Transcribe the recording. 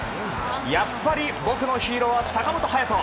やっぱり僕のヒーローは坂本勇人！